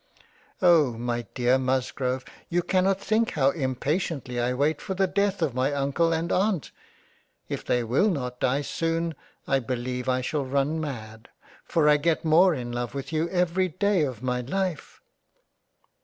Oh ! my dear Musgrove you cannot think how impatiently I wait for the death of my Uncle and Aunt — If they will not Die soon, I beleive I shall run mad, for I get more in love with you every day of my Life.